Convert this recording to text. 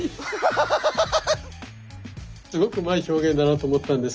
ハハハハハ！